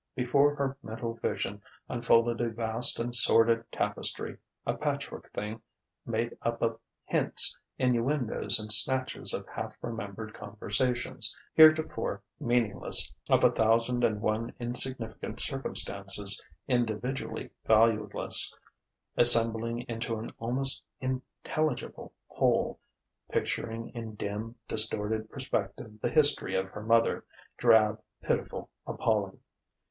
Before her mental vision unfolded a vast and sordid tapestry a patchwork thing made up of hints, innuendoes and snatches of half remembered conversations, heretofore meaningless, of a thousand and one insignificant circumstances, individually valueless, assembling into an almost intelligible whole: picturing in dim, distorted perspective the history of her mother, drab, pitiful, appalling....